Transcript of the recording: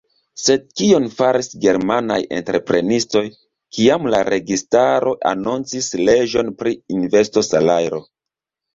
Sed kion faris germanaj entreprenistoj, kiam la registaro anoncis leĝon pri investosalajro?